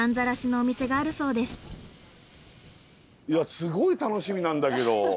すごい楽しみなんだけど。